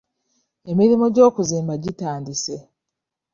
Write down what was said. Emirimu gy'okuzimba gitandise.